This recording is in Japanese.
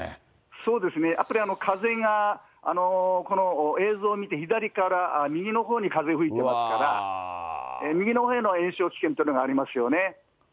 そうですね、やっぱり風が、この映像を見て左から右のほうに風、吹いてますから、右のほうへの延焼の危険というのがありますよね。